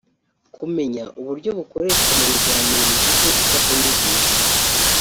kumenya uburyo bukoreshwa mu biganiro bigize imfashanyigisho